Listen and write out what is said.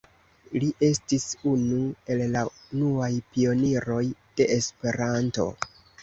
Li estis unu el la unuaj pioniroj de Esperanto.